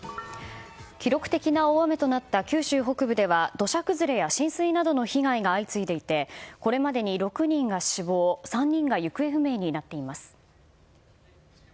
記録的な大雨となった九州北部では土砂崩れや浸水などの被害が相次いでいてこれまでに６人が死亡３人が行方不明になっています。